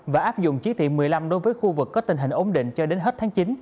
và áp dụng trí thị một mươi năm đối với khu vực có tình hình ổn định cho đến hết tháng chín